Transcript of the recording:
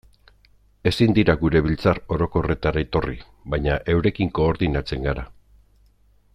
Ezin dira gure biltzar orokorretara etorri, baina eurekin koordinatzen gara.